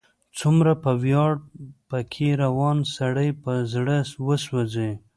څومره په ویاړ، په کې روان، سړی په زړه وسوځي